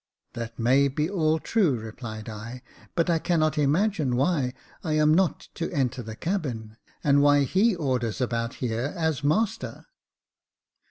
" That may be all true," replied I ;but I cannot imagine why I am not to enter the cabin, and why he orders about here as master."